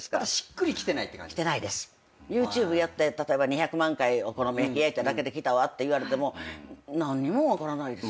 ＹｏｕＴｕｂｅ例えば２００万回お好み焼き焼いただけできたわ言われても何にも分からないです。